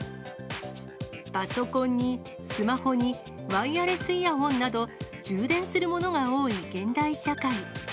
パソコンにスマホにワイヤレスイヤホンなど、充電するものが多い現代社会。